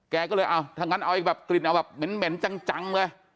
แกก็เลยเอาทั้งนั้นเอากลิ่นเอาแบบเหม็นจังเลย